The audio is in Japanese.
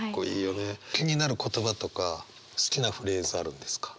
気になる言葉とか好きなフレーズあるんですか？